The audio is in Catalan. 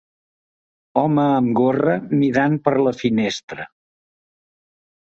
home amb gorra mirant per la finestra